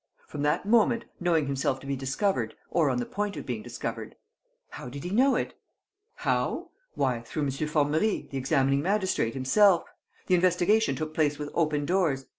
From that moment, knowing himself to be discovered, or on the point of being discovered ..." "How did he know it?" "How? Why, through M. Formerie, the examining magistrate, himself! The investigation took place with open doors.